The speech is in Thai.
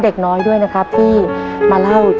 หนึ่งล้าน